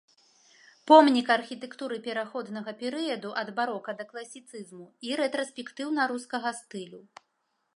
Помнік архітэктуры пераходнага перыяду ад барока да класіцызму і рэтраспектыўна-рускага стылю.